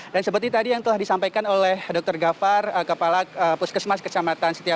dan seperti tadi yang telah disampaikan oleh dokter gafar kepala puskesmas kecamatan setiawan